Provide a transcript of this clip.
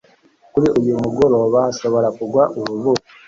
Kuri uyu mugoroba hashobora kugwa urubura